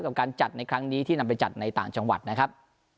กับการจัดในครั้งนี้ที่นำไปจัดในต่างจังหวัดนะครับ